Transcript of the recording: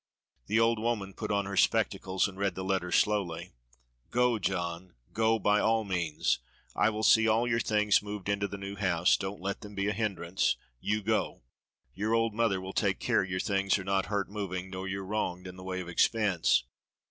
The old woman put on her spectacles and read the letter slowly. "Go, John! go by all means! I will see all your things moved into the new house don't let them be a hindrance; you go. Your old mother will take care your things are not hurt moving, nor you wronged in the way of expense."